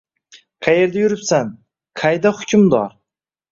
Qaerda yuribsan? Qayda hukmdor?